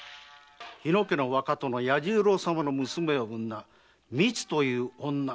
日野家の若殿弥十郎様の娘を産んだ「みつ」という女